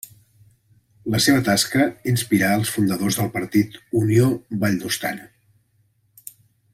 La seva tasca inspirà als fundadors del partit Unió Valldostana.